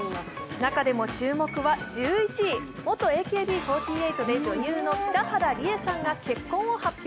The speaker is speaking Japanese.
中でも注目は１１位、元ＡＫＢ４８で女優の北原里英さんが結婚を発表。